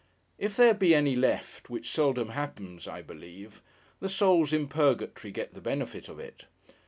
If there be any left (which seldom happens, I believe), the souls in Purgatory get the benefit of it.